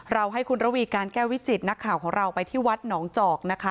ให้คุณระวีการแก้ววิจิตนักข่าวของเราไปที่วัดหนองจอกนะคะ